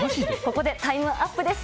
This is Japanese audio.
ここでタイムアップです。